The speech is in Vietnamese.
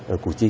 ở củ chi